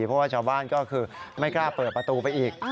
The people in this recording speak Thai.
เพราะว่าชาวบ้านก็คือไม่กล้าเปิดประตูไปอีก